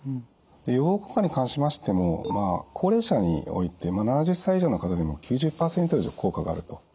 で予防効果に関しましてもまあ高齢者において７０歳以上の方でも９０％以上効果があると。